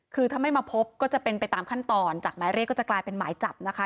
คือถ้าไม่มาพบก็จะเป็นไปตามขั้นตอนจากหมายเรียกก็จะกลายเป็นหมายจับนะคะ